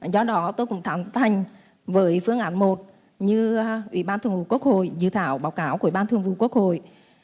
do đó tôi cũng thẳng thành với phương án một như ủy ban thường vụ quốc hội dự thảo báo cáo của ủy ban thường vụ quốc hội